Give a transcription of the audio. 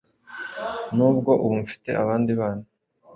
nubwo ubu mfite abandi bana,